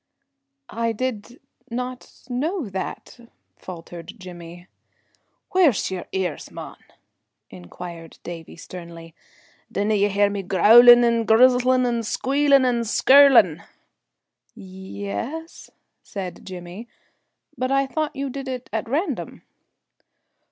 '"] "I did not know that," faltered Jimmy. "Where's your ears, mon?" inquired Davie sternly. "Dinna ye hear me growlin' and grizzlin' and squealin' and skirlin'?" "Y e s," said Jimmy. "But I thought you did it at random."